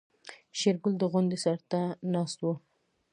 شېرګل د غونډۍ سر ته ناست و.